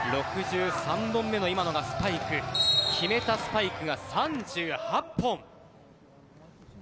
６３本目のスパイク決めたスパイクが３８本。